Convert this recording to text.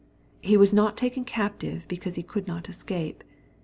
He was not taken captive because he could not escape.